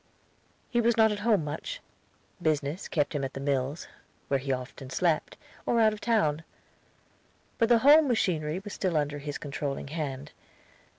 He was not at home much. Business, kept him at the mills, where he often slept, or out of town. But the home machinery was still under his controlling hand.